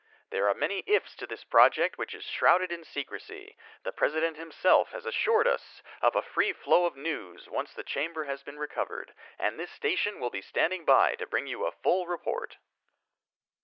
"There are many 'ifs' to this project which is shrouded in secrecy. The President himself has assured us of a free flow of news once the chamber has been recovered, and this station will be standing by to bring you a full report."